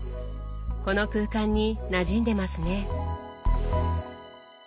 この空間になじんでますね。